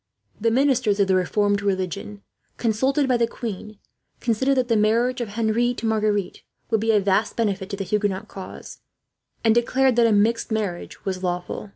The ministers of the Reformed religion, consulted by the queen, considered that the marriage of Henry to Marguerite would be of vast benefit to the Huguenot cause; and declared that a mixed marriage was lawful.